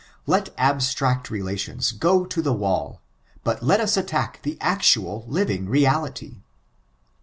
Let abstract relations go to the wall; but let us attack the actual, living reality."